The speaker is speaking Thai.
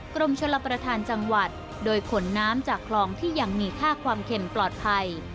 กรมชลประธานจังหวัดโดยขนน้ำจากคลองที่ยังมีค่าความเข็มปลอดภัย